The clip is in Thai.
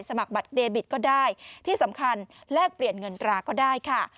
สมัครบัตรเดบิตก็ได้ที่สำคัญแลกเปลี่ยนเงินตราก็ได้ค่ะ